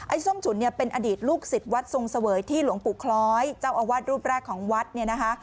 ส้มฉุนเนี่ยเป็นอดีตลูกศิษย์วัดทรงเสวยที่หลวงปู่คล้อยเจ้าอาวาสรูปแรกของวัดเนี่ยนะคะ